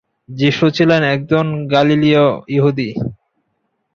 যীশু ছিলেন একজন গালীলীয় ইহুদি।